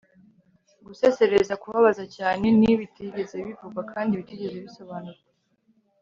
gusezera kubabaza cyane ni bitigeze bivugwa kandi bitigeze bisobanurwa